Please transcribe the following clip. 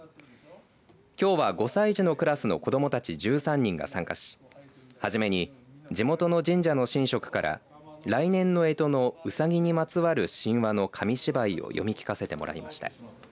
きょうは５歳児のクラスの子もたち１３人が参加し、はじめに、地元の神社の神職から来年のえとのうさぎにまつわる神話の紙芝居を読み聞かせてもらいました。